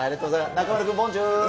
中丸君、ボンジュール。